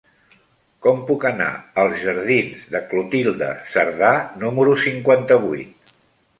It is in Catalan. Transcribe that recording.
Com puc anar als jardins de Clotilde Cerdà número cinquanta-vuit?